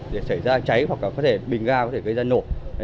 để cháy ra cháy hoặc bình ga có thể gây ra nổ